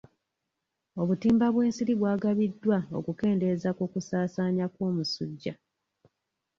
Obutimba bw'ensiri bwagabiddwa okukendeeza ku kusaasaanya kw'omusujja.